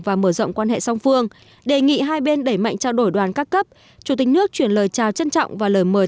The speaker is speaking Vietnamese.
và mở rộng quan hệ song phương đề nghị hai bên đẩy mạnh trao đổi đoàn các cấp chủ tịch nước chuyển lời chào trân trọng và lời mời